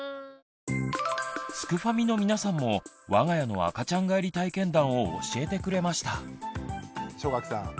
すくファミの皆さんも我が家の赤ちゃん返り体験談を教えてくれました。